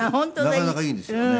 なかなかいいですよね。